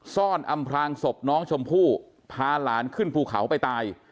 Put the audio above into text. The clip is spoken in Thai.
อำพลางศพน้องชมพู่พาหลานขึ้นภูเขาไปตาย